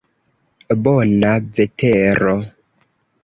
Bona vetero.